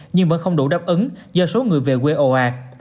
nhưng vẫn không đủ đáp ứng do số người về quê ồ ạt